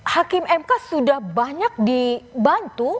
hakim mk sudah banyak dibantu